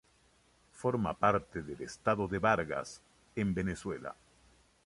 Forma parte del estado de Vargas, en Venezuela.